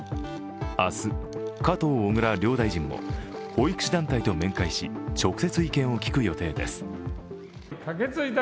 明日、加藤・小倉両大臣も保育士団体と面会し直接、意見を聞く予定です。